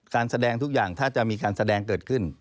แสดงทุกอย่างถ้าจะมีการแสดงเกิดขึ้น